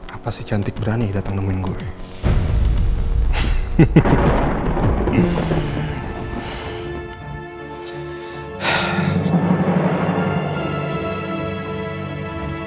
apa si cantik berani dateng nemuin gue